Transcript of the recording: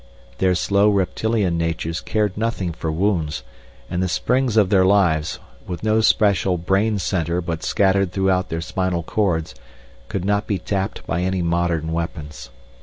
Their slow reptilian natures cared nothing for wounds, and the springs of their lives, with no special brain center but scattered throughout their spinal cords, could not be tapped by any modern weapons.